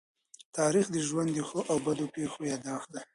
تاریخ د ژوند د ښو او بدو پېښو يادښت دی.